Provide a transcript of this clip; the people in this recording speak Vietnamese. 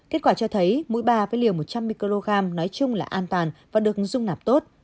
kết quả cho thấy mũi ba với liều một trăm linh microgram nói chung là an toàn và được dung nạp tốt